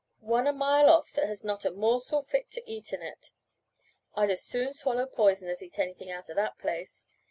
"One a mile off that has not a morsel fit to eat in it. I'd as soon swallow poison as eat anything out of that place.